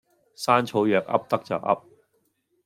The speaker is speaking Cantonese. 山草藥噏得就噏